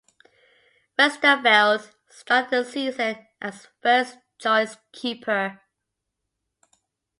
Westerveld started the season as first-choice 'keeper.